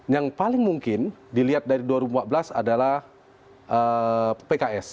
yang paling mungkin dilihat dari dua ribu empat belas adalah pks